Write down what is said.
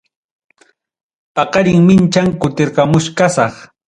Paqarin mincham kutirqamuchkasaq.